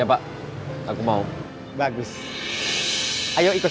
aku memang butuh tambahan untuk melakukan usg